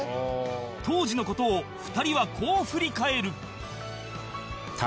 当時の事を２人はこう振り返る